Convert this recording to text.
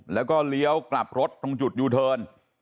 แล้วก็เลี้ยวกลับรถตรงจุดยูเทิร์น